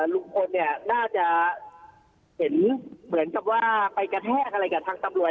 ลุงพลเนี่ยน่าจะเห็นเหมือนกับว่าไปกระแทกอะไรกับทางตำรวจ